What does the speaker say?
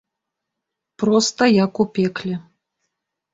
Проста як у пекле.